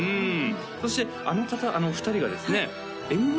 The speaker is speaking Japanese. そしてあの２人がですねＭＶ